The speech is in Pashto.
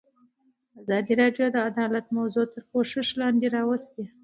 ازادي راډیو د عدالت موضوع تر پوښښ لاندې راوستې.